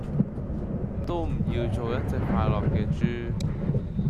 都唔要做一隻快樂既豬